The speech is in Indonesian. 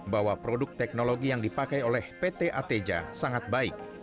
bahwa produk teknologi yang dipakai oleh pt ateja sangat baik